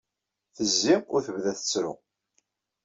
Tezzi u tebda tettru.